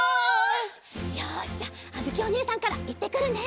よしじゃああづきおねえさんからいってくるね！